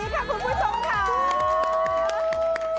กลับมาเบรกนี้ค่ะคุณผู้ชมค่ะ